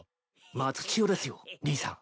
松千代ですよ兄さん。